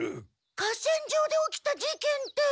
合戦場で起きた事件って？